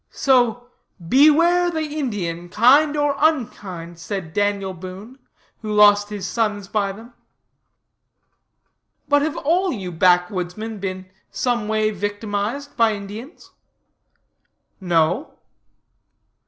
So "beware the Indian, kind or unkind," said Daniel Boone, who lost his sons by them. But, have all you backwoodsmen been some way victimized by Indians? No.